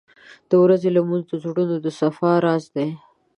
• د ورځې لمونځ د زړونو د صفا راز دی.